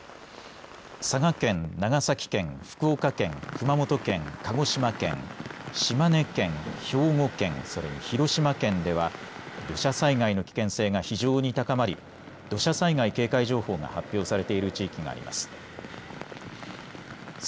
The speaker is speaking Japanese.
佐賀県、長崎県、福岡県、熊本県、鹿児島県、島根県、兵庫県、それに広島県では土砂災害の危険性が非常に高まり土砂災害警戒情報が発表されている地域があります。